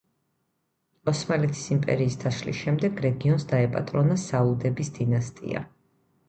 ოსმალეთის იმპერიის დაშლის შემდეგ რეგიონს დაეპატრონა საუდების დინასტია.